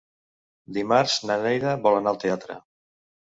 Dimarts na Neida vol anar al teatre.